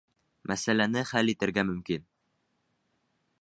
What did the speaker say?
— Мәсьәләне хәл итергә мөмкин.